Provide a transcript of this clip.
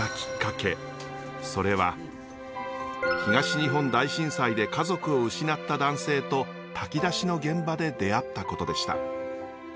それは東日本大震災で家族を失った男性と炊き出しの現場で出会ったことでした。